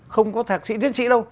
không có thạc sĩ tiến sĩ đâu